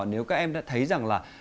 nếu các em đã thấy rằng là